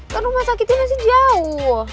kan rumah sakitnya masih jauh